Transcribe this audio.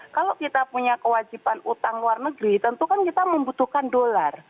kalau kita punya kewajiban utang luar negeri tentu kan kita membutuhkan dolar